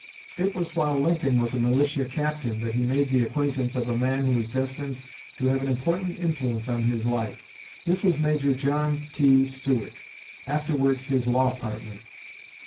It was while Lincoln was a militia captain that he made the acquaintance of a man who was destined to have an important influence on his life. This was Major John T. Stuart, afterwards his law partner.